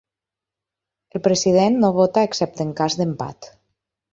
El president no vota excepte en cas d'empat.